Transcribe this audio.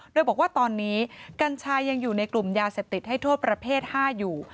โดยบอกว่าตอนนี้กัญชายังอยู่ในกลุ่มยาเสพติดให้โทษประเภท๕อยู่